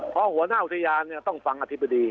เพราะหัวหน้าอุทยานเนี่ยต้องฟังอาทิตย์ดี